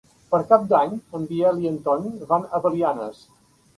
Per Cap d'Any en Biel i en Ton van a Belianes.